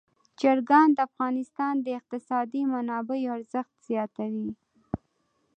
چرګان د افغانستان د اقتصادي منابعو ارزښت زیاتوي.